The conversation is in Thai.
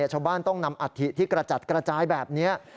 ชาวบ้านต้องนำอัฐิที่กระจัดกระจายแบบนี้